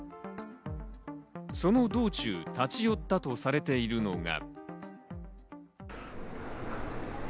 その道中、立ち寄ったとされているのが。